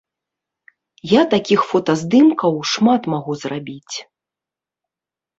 Я такіх фотаздымкаў шмат магу зрабіць.